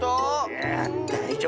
いやあだいじょうぶだ。